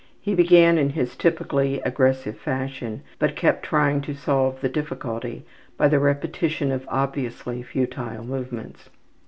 He began in his typically aggressive fashion, but kept trying to solve the difficulty by the repetition of obviously futile movements.